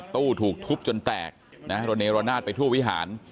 ๘ตู้ถูกทุบจนแตกโรเนโรนาสไปทู่วิหาร